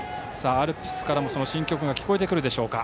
アルプスからも新曲が聞こえてくるでしょうか。